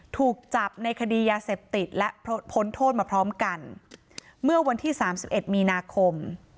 ถูกจับในคดียาเสพติดและผลโทษมาพร้อมกันเมื่อวันที่๓๑มีนาคม